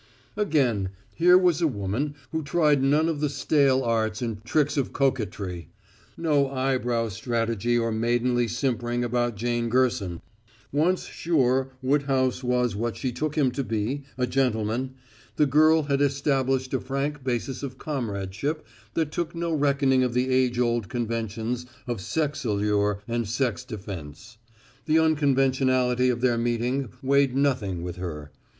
Again, here was a woman who tried none of the stale arts and tricks of coquetry; no eyebrow strategy or maidenly simpering about Jane Gerson. Once sure Woodhouse was what she took him to be, a gentleman, the girl had established a frank basis of comradeship that took no reckoning of the age old conventions of sex allure and sex defense. The unconventionality of their meeting weighed nothing with her.